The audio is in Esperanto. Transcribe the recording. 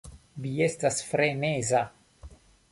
Vi estas freneza!